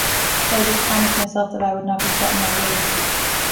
So I just promised myself that I would not be set in my ways.